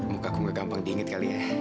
mukaku gak gampang diinget kali ya